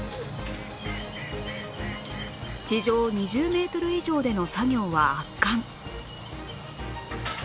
地上２０メートル以上での作業は圧巻